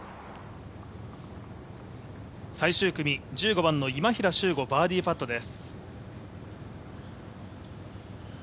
最終組１５番の今平周吾バーディーパットです。